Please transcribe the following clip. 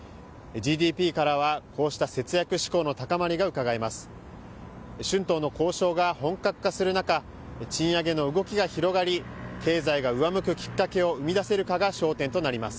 ＧＤＰからはこうした節約志向の高まりがうかがえます。